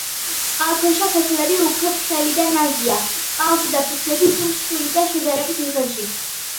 წყალქვეშა ფოთლები უფრო თხელი და ნაზია, წყალზედა ფოთლები უფრო მსხვილი და შედარებით უხეში.